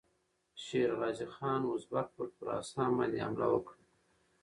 شېرغازي خان اوزبک پر خراسان باندې حمله وکړه.